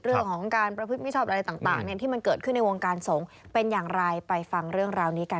เรื่องของการประพฤติไม่ชอบอะไรต่าง